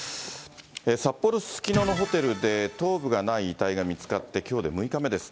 札幌・すすきののホテルで頭部がない遺体が見つかってきょうで６日目です。